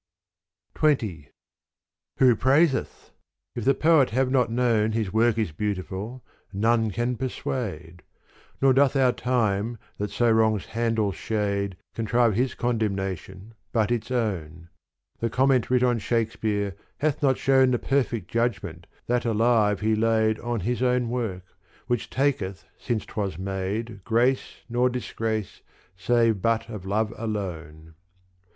XX Who praiseth ? If the poet have not known His work is beautiful, none can persuade : Nor doth our time that so wrongs Handel's shade Contrive his condemnation but its own. The comment writ on Shakespeare hath not shown The perfect judgment that alive he laid On his own work, which taketh since 't was made Grace nor disgrace save but of love alone.